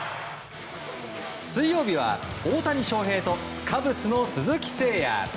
水曜日は大谷翔平とカブスの鈴木誠也。